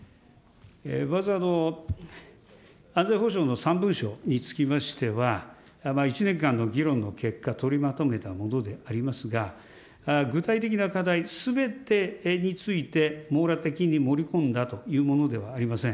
まず安全保障の３文書につきましては、１年間の議論の結果、取りまとめたものでありますが、具体的な課題すべてについて、網羅的に盛り込んだというものではありません。